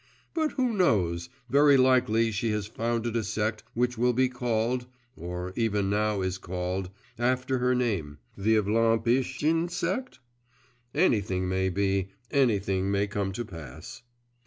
But, who knows, very likely she has founded a sect which will be called or even now is called after her name, the Evlampieshtchin sect? Anything may be, anything may come to pass.